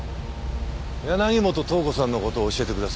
柳本塔子さんの事を教えてください。